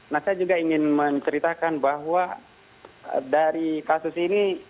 nah saya juga ingin menceritakan bahwa dari kasus ini